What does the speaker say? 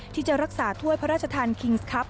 ที่จะรักษาถ้วยพระราชทานคิงส์ครับ